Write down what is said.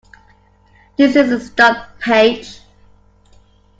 This is a stub page.